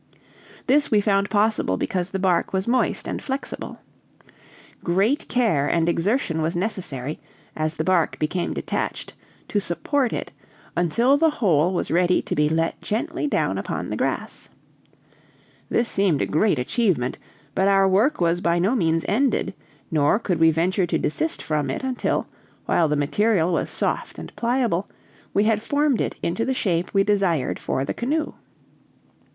This we found possible, because the bark was moist and flexible. Great care and exertion was necessary, as the bark became detached, to support it, until the whole was ready to be let gently down upon the grass. This seemed a great achievement; but our work was by no means ended, nor could we venture to desist from it until, while the material was soft and pliable, we had formed it into the shape we desired for the canoe.